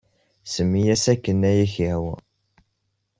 Semmi-as akken ay ak-yehwa.